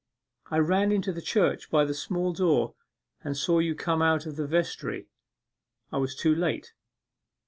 I ran into the church by the small door and saw you come out of the vestry; I was too late.